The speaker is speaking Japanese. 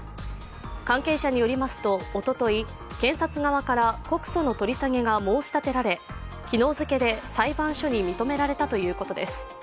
関係者によりますと、おととい、検察側から告訴の取り下げが申し立てられ昨日付けで裁判所に認められたということです。